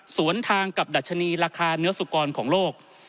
สวนทางกับดัชนีราคาเนื้อสุกรของโลก